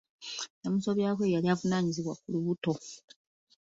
Eyamusobyako ye yali avunaanyizibwa ku lubuto.